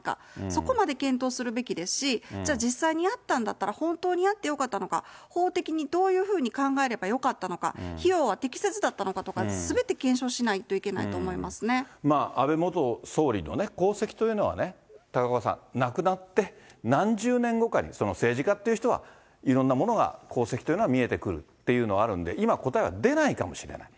そこまで検討するべきですし、じゃあ、実際にやったんだったら、本当にやってよかったのか、法的にどういうふうに考えればよかったのか、費用は適切だったのかとか、すべて検証しないといけないと思いま安倍元総理の功績というのはね、高岡さん、亡くなって何十年後かに政治家っていう人は、いろんなものが功績というのは見えてくるっていうのがあるんで、今、答えは出ないかもしれない。